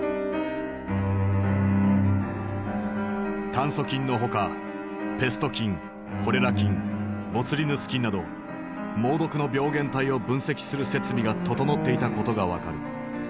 炭疽菌のほかペスト菌コレラ菌ボツリヌス菌など猛毒の病原体を分析する設備が整っていたことが分かる。